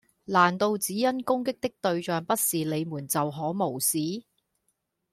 難道只因攻擊的對象不是你們就可無視